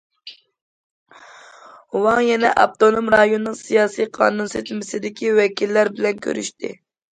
ۋاڭ يەنە ئاپتونوم رايوننىڭ سىياسىي- قانۇن سىستېمىسىدىكى ۋەكىللەر بىلەن كۆرۈشتى.